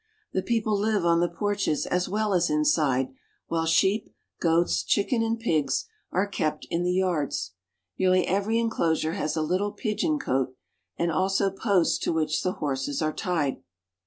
The people live on the porches as well as inside, while sheep, goats, chickens, and pigs are kept in the yards. Nearly every inclosure has a little pigeon cote, and also posts to which the horses are tied.